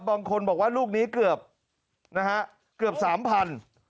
บางคนบอกว่าลูกนี้เกือบ๓๐๐๐บาท